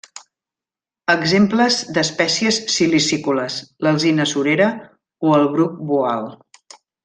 Exemples d'espècies silicícoles: l'alzina surera o el bruc boal.